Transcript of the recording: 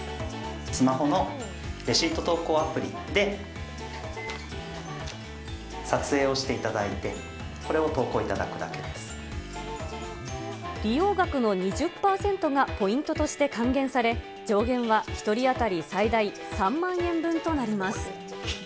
スマホのレシート投稿アプリで撮影をしていただいて、利用額の２０％がポイントとして還元され、上限は１人当たり最大３万円分となります。